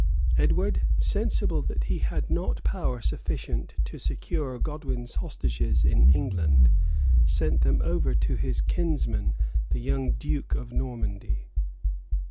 Edward, sensible that he had not power sufficient to secure Godwin's hostages in England, sent them over to his kinsman, the young duke of Normandy.